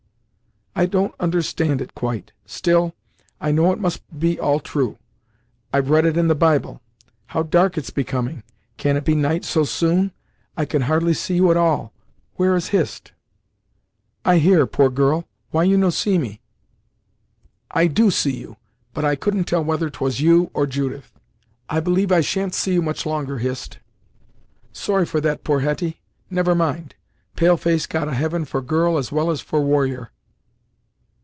"I don't understand it quite; still, I know it must be all true; I've read it in the Bible. How dark it's becoming! Can it be night so soon? I can hardly see you at all where is Hist?" "I here, poor girl Why you no see me?" "I do see you; but I couldn't tell whether 'twas you, or Judith. I believe I shan't see you much longer, Hist." "Sorry for that, poor Hetty. Never mind pale face got a heaven for girl as well as for warrior."